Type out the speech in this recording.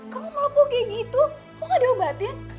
kamu melepuh kayak gitu kamu gak diobatin